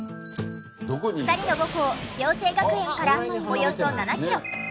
２人の母校暁星学園からおよそ７キロ。